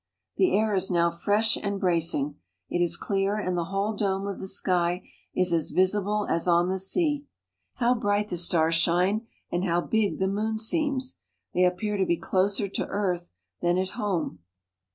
The air is now fresh and bracing. It is clear, and the whole dome of the sky is as visible as on the sea. How bright the stars shine and how big the moon seems ! They lappear to be closer to the earth than at home.